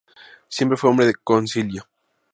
Siempre fue hombre de concilio.